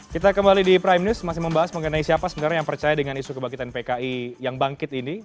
kita kembali di prime news masih membahas mengenai siapa sebenarnya yang percaya dengan isu kebangkitan pki yang bangkit ini